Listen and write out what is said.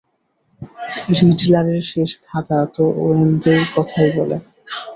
রিডলারের শেষ ধাঁধা তো ওয়েনদের কথাই বলে।